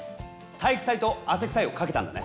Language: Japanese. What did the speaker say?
体育祭と汗くさいをかけたんだね。